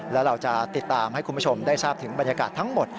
แล้วเราจะติดตามให้คุณผู้ชมได้ทราบถึงบรรยากาศทั้งหมด